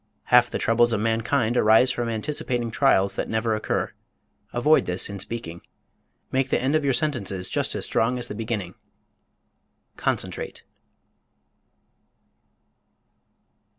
Half the troubles of mankind arise from anticipating trials that never occur. Avoid this in speaking. Make the end of your sentences just as strong as the beginning. _CONCENTRATE.